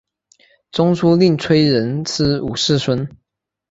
中书令崔仁师五世孙。